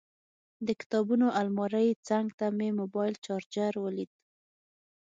د کتابونو المارۍ څنګ ته مې موبایل چارجر ولید.